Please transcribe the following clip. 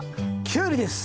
キュウリです！